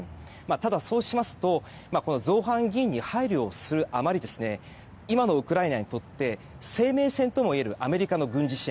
ただ、そうしますと造反議員に配慮をするあまり今のウクライナにとって生命線ともいえるアメリカの軍事支援